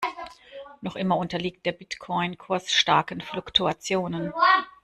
Noch immer unterliegt der Bitcoin-Kurs starken Fluktuationen.